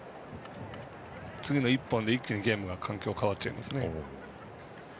次の１点で一気にゲームの環境が変わっちゃいますね。